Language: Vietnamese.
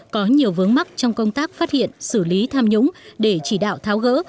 có nhiều vướng mắt trong công tác phát hiện xử lý tham nhũng để chỉ đạo tháo gỡ